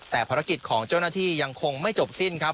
แต่ภารกิจของเจ้าหน้าที่ยังคงไม่จบสิ้นครับ